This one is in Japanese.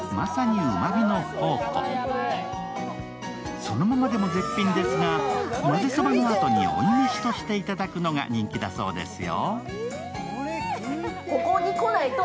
そのままでも絶品ですが、まぜそばのあとに追い飯として頂くのが人気だそうですよ。